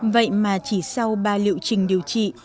vậy mà chỉ sau ba liệu trình điều trị